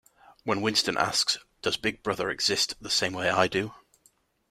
When Winston asks Does Big Brother exist the same way I do?